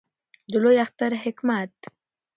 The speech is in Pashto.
د لوی اختر حکمت